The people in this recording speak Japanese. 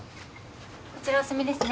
こちらお済みですね。